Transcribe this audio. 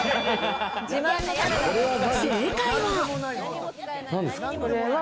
正解は。